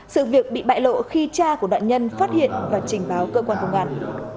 sự việc bị bại lộ khi cha của nạn nhân phát hiện và trình báo cơ quan công an